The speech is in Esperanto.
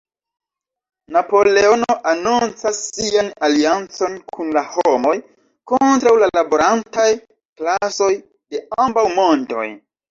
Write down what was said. Napoleono anoncas sian aliancon kun la homoj, kontraŭ la laborantaj klasoj de ambaŭ "mondoj.